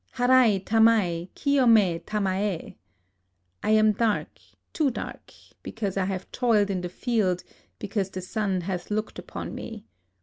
—" Harai tamai hiyome tamae f ... 1 am dark, too dark, because I have toiled in the field, because the sun hath looked upon me.